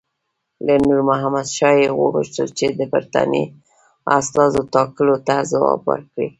له نور محمد شاه یې وغوښتل چې د برټانیې استازو ټاکلو ته ځواب ورکړي.